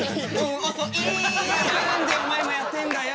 おそい何でお前もやってんだよ！